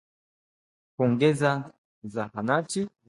kuongeza zahanati